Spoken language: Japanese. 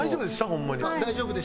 ホンマに。